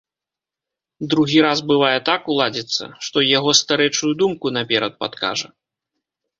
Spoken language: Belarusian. Другі раз бывае так уладзіцца, што й яго старэчую думку наперад падкажа.